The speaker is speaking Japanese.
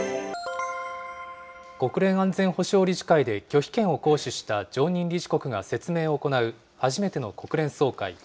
国連安全保障理事会で拒否権を行使した常任理事国が説明を行う、初めての国連総会。